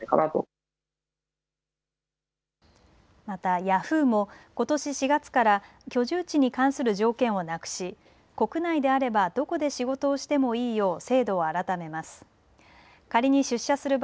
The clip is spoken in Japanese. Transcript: またヤフーもことし４月から居住地に関する条件をなくし国内であればどこで仕事をしてもいいよう制度を改めます。